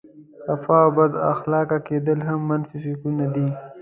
خفه او بد اخلاقه کېدل هم منفي فکرونه دي.